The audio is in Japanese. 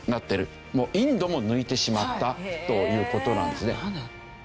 インドも抜いてしまったという事なんですね。